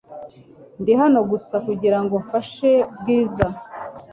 Ndi hano gusa kugirango mfashe Bwiza .